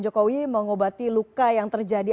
jokowi mengobati luka yang terjadi